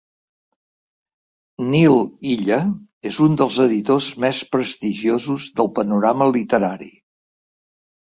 Nil Illa és un dels editors més prestigiosos del panorama literari.